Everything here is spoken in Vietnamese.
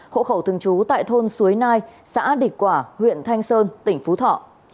hộ khẩu thường trú tại thôn suối nai xã địch quả huyện thanh sơn tỉnh phú thọ